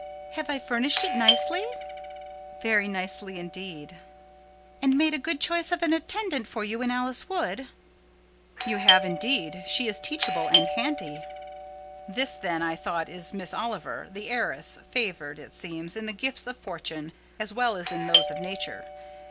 "Have I furnished it nicely?" "Very nicely, indeed." "And made a good choice of an attendant for you in Alice Wood?" "You have indeed. She is teachable and handy." (This then, I thought, is Miss Oliver, the heiress; favoured, it seems, in the gifts of fortune, as well as in those of nature!